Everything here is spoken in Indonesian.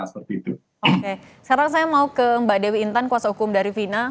sekarang saya mau ke mbak dewi intan kuasa hukum dari vina